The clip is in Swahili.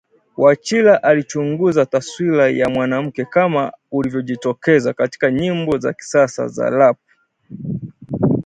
Wachira, alichunguza taswira ya mwanamke kama ulivyojitokeza katika nyimbo za kisasa za ‘Rap’